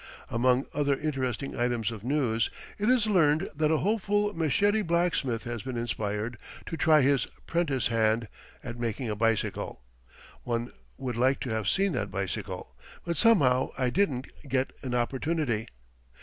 Among other interesting items of news, it is learned that a hopeful Meshedi blacksmith has been inspired to try his "prentice hand" at making a bicycle. One would like to have seen that bicycle, but somehow I didn't get an opportunity.